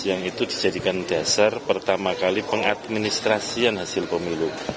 yang itu dijadikan dasar pertama kali pengadministrasian hasil pemilu